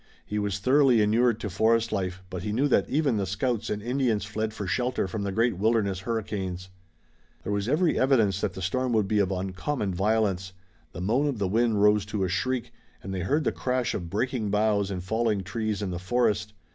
He was thoroughly inured to forest life, but he knew that even the scouts and Indians fled for shelter from the great wilderness hurricanes. There was every evidence that the storm would be of uncommon violence. The moan of the wind rose to a shriek and they heard the crash of breaking boughs and falling trees in the forest.